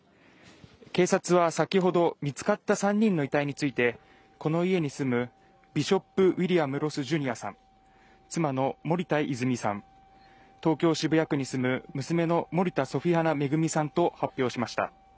警察は先ほど、見つかった３人の遺体についてこの家に住むビショップ・ウイリアム・ロス・ジュニアさん、妻の森田泉さん、東京・渋谷区に住む娘の森田ソフィアナ恵さんと発表しました。